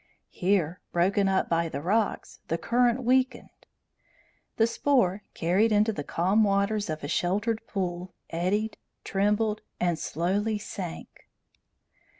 Here, broken up by the rocks, the current weakened. The spore, carried into the calmer waters of a sheltered pool, eddied, trembled, and slowly sank.